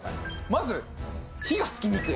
まず火がつきにくい。